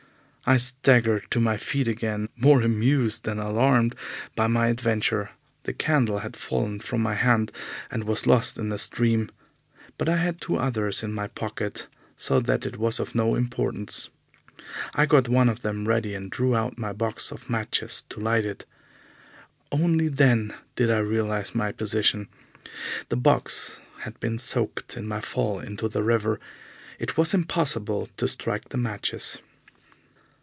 I staggered to my feet again, more amused than alarmed by my adventure. The candle had fallen from my hand, and was lost in the stream, but I had two others in my pocket, so that it was of no importance. I got one of them ready, and drew out my box of matches to light it. Only then did I realize my position. The box had been soaked in my fall into the river. It was impossible to strike the matches.